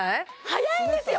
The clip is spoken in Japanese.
早いんですよ！